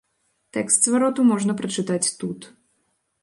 Тэкст звароту можна прачытаць тут.